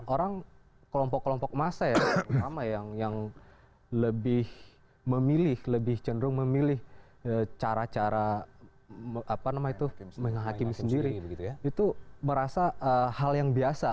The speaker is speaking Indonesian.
orang kelompok kelompok massa ya sama yang lebih memilih lebih cenderung memilih cara cara menghakimi sendiri itu merasa hal yang biasa